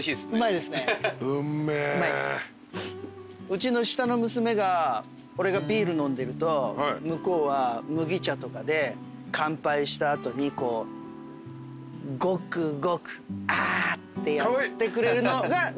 うちの下の娘が俺がビール飲んでると向こうは麦茶とかで乾杯した後にこう。ってやってくれるのがすごい好き。